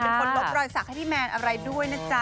เป็นคนลบรอยสักให้พี่แมนอะไรด้วยนะจ๊ะ